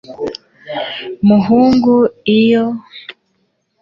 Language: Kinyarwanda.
Muhungu iyo hamburger yakubise ahantu rwose